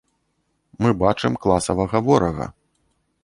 Мы бачым класавага ворага.